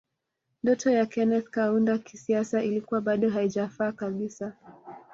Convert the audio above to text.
Ndoto ya Kenneth Kaunda kisiasa ilikuwa bado haijafa kabisa